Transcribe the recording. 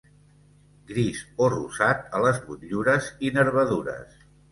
Gris o rosat a les motllures i nervadures.